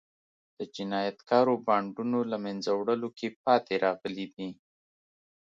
د جنایتکارو بانډونو له منځه وړلو کې پاتې راغلي دي.